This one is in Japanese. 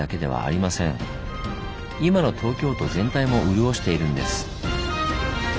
いまの東京都全体も潤しているんです。